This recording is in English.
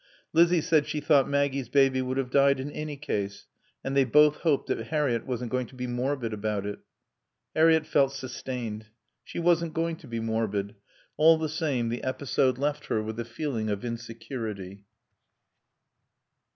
Lizzie said she thought Maggie's baby would have died in any case, and they both hoped that Harriett wasn't going to be morbid about it. Harriett felt sustained. She wasn't going to be morbid. All the same, the episode left her with a feeling of insecurity.